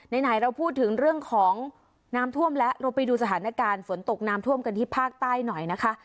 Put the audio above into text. ไหนเราพูดถึงเรื่องของน้ำท่วมแล้วเราไปดูสถานการณ์ฝนตกน้ำท่วมกันที่ภาคใต้หน่อยนะคะ